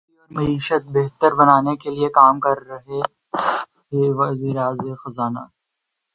security اور معیشت بہتر بنانے کیلئے کام کر رہے ہیںوزیر خزانہ